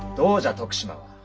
徳島は。